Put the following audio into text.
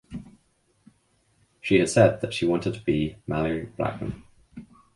She has said that she wanted to be Malorie Blackman.